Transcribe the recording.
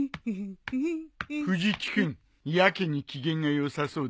藤木君やけに機嫌がよさそうだね。